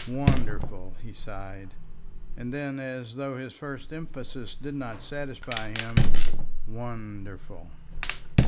"Wonderful," he sighed, and then as though his first emphasis did not satisfy him, "wonderful!"